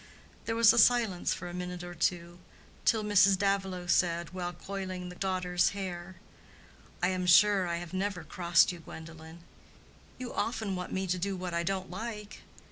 There was silence for a minute or two, till Mrs. Davilow said, while coiling the daughter's hair, "I am sure I have never crossed you, Gwendolen." "You often want me to do what I don't like."